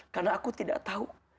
karena aku tidak tahu